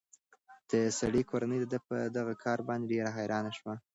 د سړي کورنۍ د ده په دغه کار باندې ډېره حیرانه شوه.